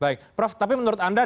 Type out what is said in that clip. baik prof tapi menurut anda